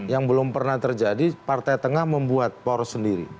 yang belum pernah terjadi partai tengah membuat poros sendiri